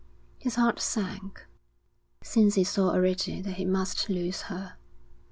His heart sank, since he saw already that he must lose her.